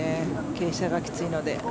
傾斜がきついので。